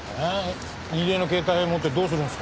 入江の携帯を持ってどうするんですか？